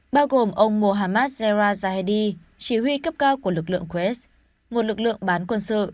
bao gồm ông mohammad zahedi chỉ huy cấp cao của lực lượng quds một lực lượng bán quân sự